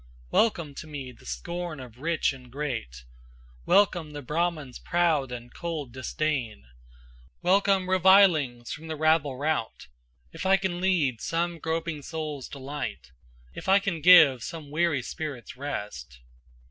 Welcome to me the scorn of rich and great, Welcome the Brahman's proud and cold disdain, Welcome revilings from the rabble rout, If I can lead some groping souls to light If I can give some weary spirits rest.